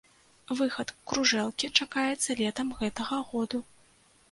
Выхад кружэлкі чакаецца летам гэтага году.